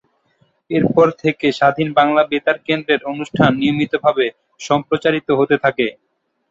এরপর থেকে স্বাধীন বাংলা বেতার কেন্দ্রের অনুষ্ঠান নিয়মিতভাবে সম্প্রচারিত হতে থাকে।